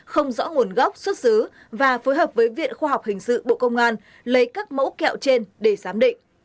không rõ nguồn gốc xuất xứ và phối hợp với viện khoa học hình sự bộ công an lấy các mẫu kẹo trên để giám định